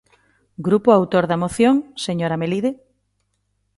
Grupo autor da moción, señora Melide.